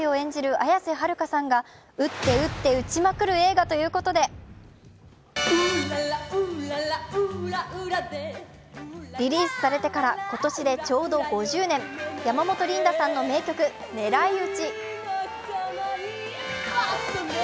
綾瀬はるかさんが撃って、撃って、撃ちまくる映画ということでリリースされてから今年でちょうど５０年、山本リンダさんの名曲「狙いうち」。